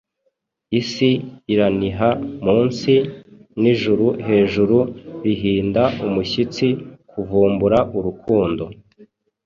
Isi iraniha munsi, n'ijuru hejuru rihinda umushyitsi kuvumbura Urukundo.